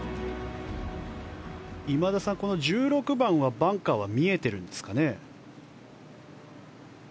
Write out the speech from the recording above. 今田さん、１６番はバンカーは見えていますか。